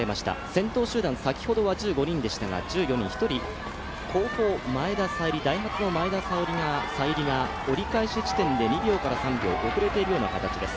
先頭集団、先ほどは１５人でしたが１４人、１人後方、ダイハツの前田彩里が折り返し地点で２秒から３秒遅れているような形です。